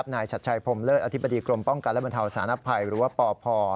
นายชัดชัยพรมเลิศอธิบดีกรมป้องกันและบรรเทาสารภัยหรือว่าปพ